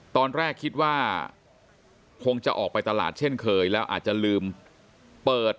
ตอนแรกคิดว่าคงจะออกไปตลาดเช่นเคยแล้วอาจจะลืมเปิด